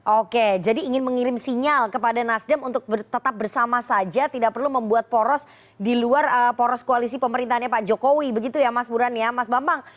oke jadi ingin mengirim sinyal kepada nasdem untuk tetap bersama saja tidak perlu membuat poros di luar poros koalisi pemerintahnya pak jokowi begitu ya mas buran ya mas bambang